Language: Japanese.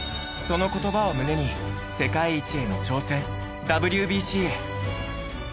その言葉を胸に世界一への挑戦ＷＢＣへ。